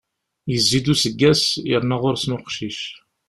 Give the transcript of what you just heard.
Yezzi-d useggas, yerna ɣur-sen uqcic.